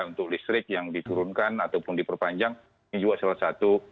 untuk listrik yang diturunkan ataupun diperpanjang ini juga salah satu